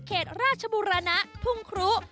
เขตราชบุรณะทุ่งครุ